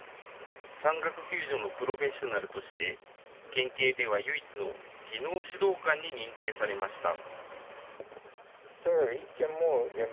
山岳救助のプロフェッショナルとして県警では唯一の技能指導官に認定されました。